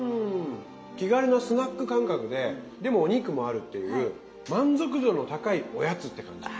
気軽なスナック感覚ででもお肉もあるっていう満足度の高いおやつって感じ。